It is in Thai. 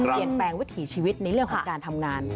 เปลี่ยนแปลงวิถีชีวิตในเรื่องของการทำงาน